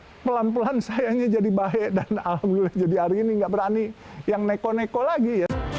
saya pelan pelan sayangnya jadi baik dan alhamdulillah jadi hari ini nggak berani yang neko neko lagi ya